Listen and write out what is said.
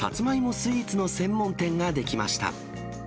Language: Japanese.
スイーツの専門店が出来ました。